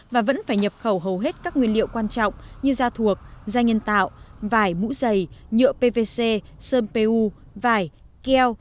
và vẫn phải nhập khẩu hầu hết các nguyên liệu quan trọng như ra thuộc ra nhân tạo vải mũ giày nhựa pvc sơn pu vải keo